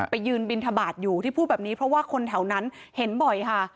ยืนบินทบาทอยู่ที่พูดแบบนี้เพราะว่าคนแถวนั้นเห็นบ่อยค่ะ